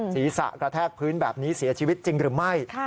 ศีรษะกระแทกพื้นแบบนี้เสียชีวิตจริงหรือไม่